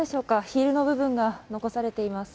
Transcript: ヒールの部分が残されています。